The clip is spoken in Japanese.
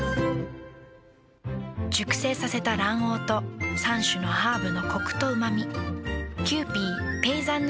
熟成させた卵黄と３種のハーブのコクとうま味。